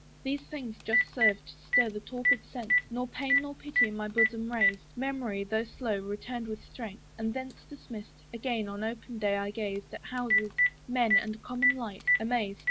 These things just served to stir the torpid sense, Nor pain nor pity in my bosom raised. Memory, though slow, returned with strength; and thence Dismissed, again on open day I gazed, At houses, men, and common light, amazed.